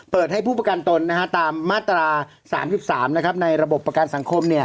ให้ผู้ประกันตนตามมาตรา๓๓ในระบบประกันสังคม